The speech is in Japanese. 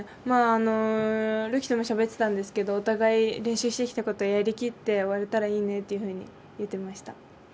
るきともしゃべっていたんですけどお互い、練習してきたことをやりきって終われたらいいねというふうに言ってました。